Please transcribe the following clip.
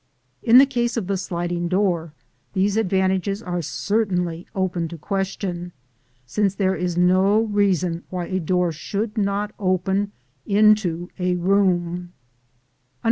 In the case of the sliding door these advantages are certainly open to question, since there is no reason why a door should not open into a room.